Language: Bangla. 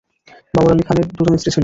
বাবর আলী খানের দুজন স্ত্রী ছিল।